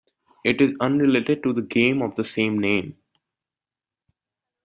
It is unrelated to the game of the same name.